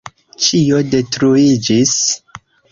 Ĉio detruiĝis.